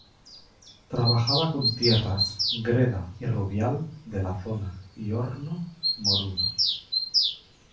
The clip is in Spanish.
Trabajaba con tierras "greda y rubial" de la zona y horno "moruno".